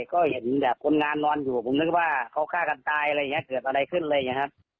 ก็เห็นแบบคนงานนอนอยู่ผมนึกว่าเขาฆ่ากันตายอะไรอย่างนี้เกิดอะไรขึ้นอะไรอย่างนี้ครับ